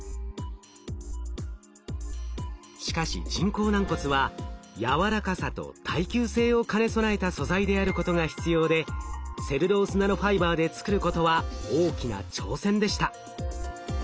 しかし人工軟骨はやわらかさと耐久性を兼ね備えた素材であることが必要でセルロースナノファイバーで作ることは大きな挑戦でした。